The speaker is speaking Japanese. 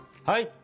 はい！